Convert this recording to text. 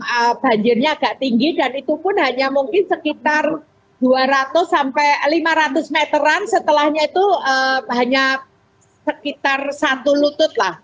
yang banjirnya agak tinggi dan itu pun hanya mungkin sekitar dua ratus sampai lima ratus meteran setelahnya itu hanya sekitar satu lutut lah